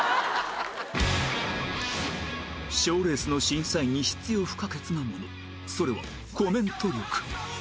賞レースの審査員に必要不可欠なものそれはコメント力